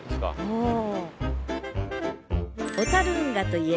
うん。